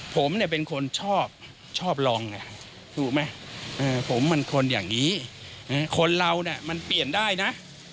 ผมเนี่ยเป็นคนชอบชอบลองไงถูกไหมผมมันคนอย่างนี้คนเราเนี่ยมันเปลี่ยนได้นะ